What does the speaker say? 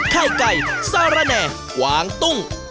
ไข่ไก่สารแน่กวางตุ้ง